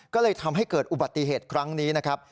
ก็เลยทำให้เกิดอุบัติเหตุครั้งนี้นะครับ